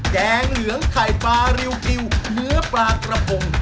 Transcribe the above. แกงเหลืองไข่ปลาริวกิวเนื้อปลากระพง